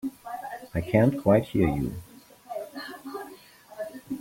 I can't quite hear you.